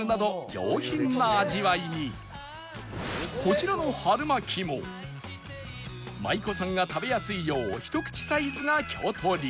こちらの春巻きも舞妓さんが食べやすいようひと口サイズが京都流